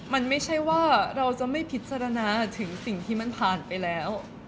มันไม่ใช่ว่าเราจะไม่พิจารณาถึงสิ่งที่มันผ่านไปแล้ว